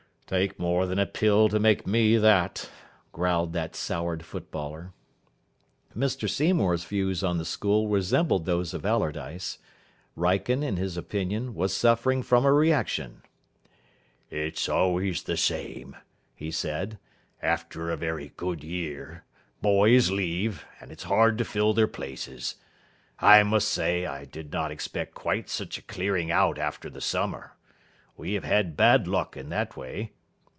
"Take more than a pill to make me that," growled that soured footballer. Mr Seymour's views on the school resembled those of Allardyce. Wrykyn, in his opinion, was suffering from a reaction. "It's always the same," he said, "after a very good year. Boys leave, and it's hard to fill their places. I must say I did not expect quite such a clearing out after the summer. We have had bad luck in that way.